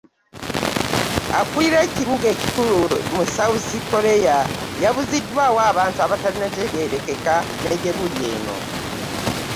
Akulira ekibuga ekikulu mu South Korea yabuziddwawo abantu abatannategeerekeka ne gyebuli eno.